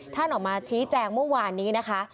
ท่านออกมาชี้แจงเมื่อวานนี้นะคะ